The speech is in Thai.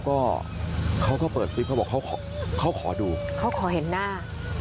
ก็เขาก็เปิดคลิปเขาบอกเขาเขาขอดูเขาขอเห็นหน้า